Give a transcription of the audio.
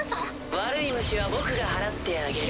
悪い虫は僕が払ってあげる。